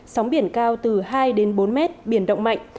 sóng biển cao từ hai đến bốn mét biển động mạnh